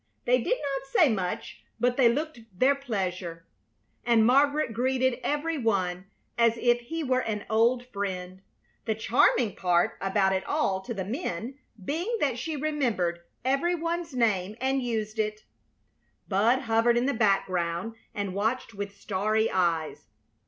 They did not say much, but they looked their pleasure, and Margaret greeted every one as if he were an old friend, the charming part about it all to the men being that she remembered every one's name and used it. Bud hovered in the background and watched with starry eyes.